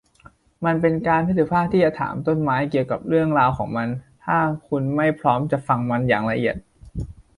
มันเป็นการไม่สุภาพที่จะถามต้นไม้เกี่ยวกับเรื่องราวของมัน ถ้าคุณไม่พร้อมจะฟังมันอย่างละเอียด